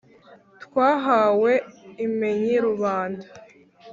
twahawe imenyi rubanda,